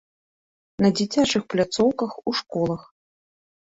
На дзіцячых пляцоўках, у школах.